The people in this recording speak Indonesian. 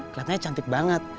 lihatnya cantik banget